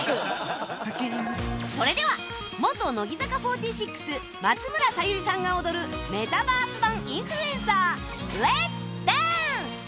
それでは元乃木坂４６松村沙友理さんが踊るメタバース版『インフルエンサー』レッツダンス！